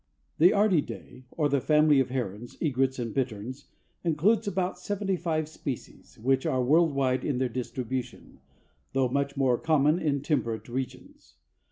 The Ardeidae, or the family of herons, egrets and bitterns, includes about seventy five species, which are world wide in their distribution, though much more common in temperate regions.